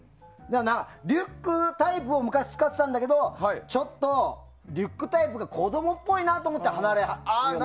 リュックタイプも昔、使ってたんだけどちょっとリュックタイプが子供っぽいなって思ってから離れた。